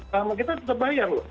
karena kita tetap bayar lho